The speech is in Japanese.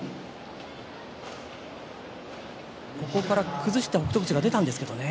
崩して北勝富士が出たんですけれどもね。